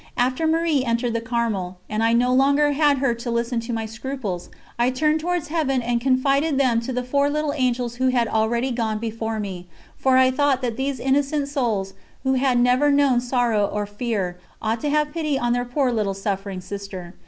After Marie entered the Carmel, and I no longer had her to listen to my scruples, I turned towards Heaven and confided them to the four little angels who had already gone before me, for I thought that these innocent souls, who had never known sorrow or fear, ought to have pity on their poor little suffering sister.